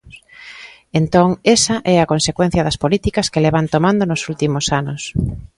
Entón, esa é a consecuencia das políticas que levan tomando nos últimos anos.